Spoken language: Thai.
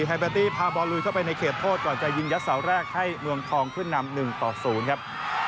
ไฮเบตี้พาบอลลุยเข้าไปในเขตโทษก่อนจะยิงยัดเสาแรกให้เมืองทองขึ้นนำ๑ต่อ๐ครับ